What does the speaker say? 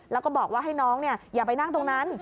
แล้วก็บอกว่าให้น้องอย่าไปนั่งตรงนั้น